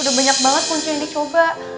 udah banyak banget kuncinya dicoba